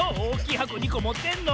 はこ２こもてんの？